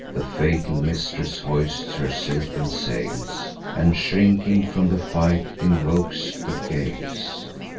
The fatal mistress hoists her silken sails, And, shrinking from the fight, invokes the gales.